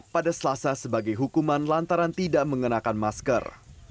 pada selasa sebagai hukuman lantaran tidak mengenakan masker